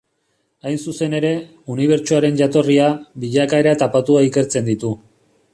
Hain zuzen ere, Unibertsoaren jatorria, bilakaera eta patua ikertzen ditu.